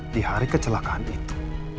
di hari kecelakaan itu